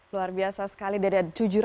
luar biasa sekali dede